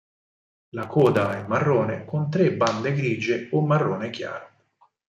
La coda è marrone con tre bande grigie o marrone chiaro.